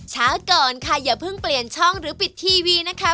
เช้าก่อนค่ะอย่าเพิ่งเปลี่ยนช่องหรือปิดทีวีนะคะ